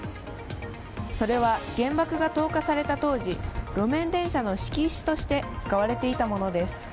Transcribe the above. それは、原爆が投下された当時路面電車の敷石として使われていたものです。